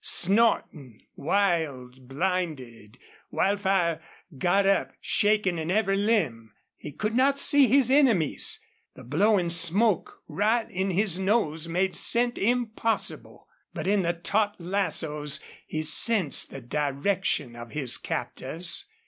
Snorting, wild, blinded, Wildfire got up, shaking in every limb. He could not see his enemies. The blowing smoke, right in his nose, made scent impossible. But in the taut lassoes he sensed the direction of his captors.